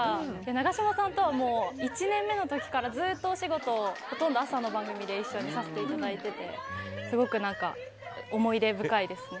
永島さんとは１年目の時からずっとお仕事をほとんど朝の番組で一緒にさせていただいていてすごく、思い出深いですね。